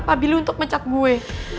pak billy untuk mecak gue